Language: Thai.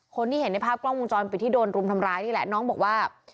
คนที่เห็นในภาพกล้องวงจรปิดที่โดนรุมทำร้ายนี่แหละน้องบอกว่า